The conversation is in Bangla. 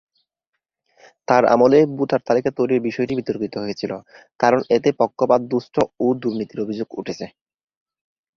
তার আমলে ভোটার তালিকা তৈরির বিষয়টি বিতর্কিত হয়েছিল, কারণ এতে পক্ষপাতদুষ্ট ও দুর্নীতির অভিযোগ উঠেছে।